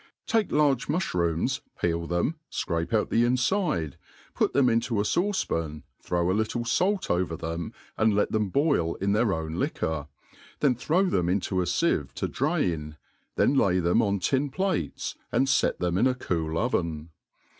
TAKE \^TS^ mufhrooms, peel them, fcrape out the infide* put them into a fauce paii, throw a little fait over them, and let ^hem .boil Ul theif own liquor, then throw them in^o a fipvc to drain, then lay them on tin plates, arid fet them in a cool oven.